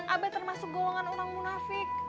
abe termasuk golongan orang munafik